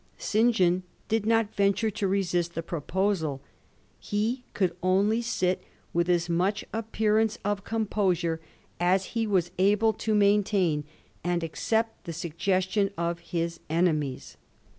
St. John did not venture to resist the proposal ; he could only sit with as much appear^ ance of composure as he was enabled to maiutain, and accept the suggestion of his enemies.